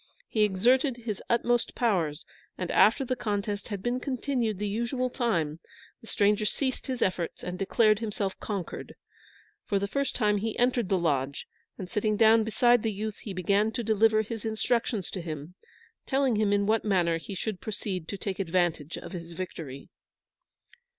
He exerted his utmost powers, and after the contest had been continued the usual time, the stranger ceased his efforts and declared himself conquered. For the first time he entered the lodge, and sitting down beside the youth, he began to deliver his instructions to him, telling him in what manner he should proceed to take advantage of his victory.